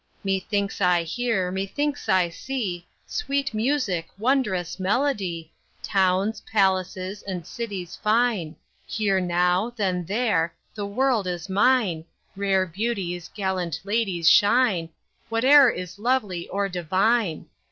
Methinks I hear, methinks I see, Sweet music, wondrous melody, Towns, palaces, and cities fine; Here now, then there; the world is mine, Rare beauties, gallant ladies shine, Whate'er is lovely or divine.